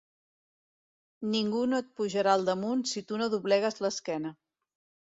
Ningú no et pujarà al damunt si tu no doblegues l'esquena.